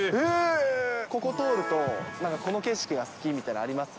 ここ通ると、この景色が好きみたいなのあります？